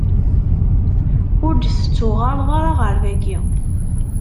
Ur d-tettuɣaleḍ ara ɣer dagi.